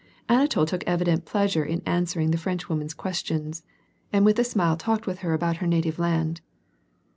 Anatol took evident pleasure in answering the french woman's questions, and with a smile talked with her about her native land.